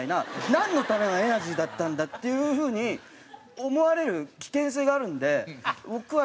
なんのためのエナジーだったんだっていう風に思われる危険性があるので僕はエナジードリンクは。